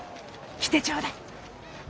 来てちょうだい！